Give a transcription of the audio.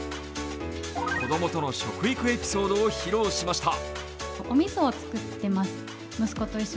子供との食育エピソードを披露しました。